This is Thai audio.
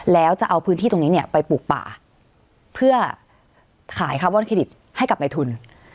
แล้วจะเอาพื้นที่ตรงนี้เนี่ยไปปลูกป่าเพื่อขายคาร์บอนเครดิตให้กับในทุน